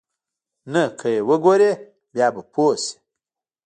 نه که ويې وګورې بيا به پوى شې.